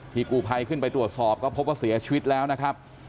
กูภัยขึ้นไปตรวจสอบก็พบว่าเสียชีวิตแล้วนะครับ